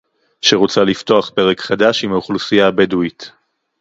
שרוצה לפתוח פרק חדש עם האוכלוסייה הבדואית